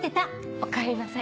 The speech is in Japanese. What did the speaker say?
おかえりなさい。